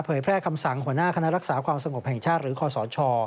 แพร่คำสั่งหัวหน้าคณะรักษาความสงบแห่งชาติหรือคอสช